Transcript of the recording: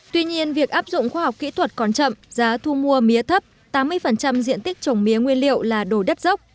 tuy nhiên việc áp dụng khoa học kỹ thuật còn chậm giá thu mua mía thấp tám mươi diện tích trồng mía nguyên liệu là đồ đất dốc